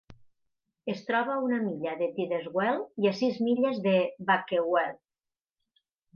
Es troba a una milla de Tideswell i a sis milles de Bakewell.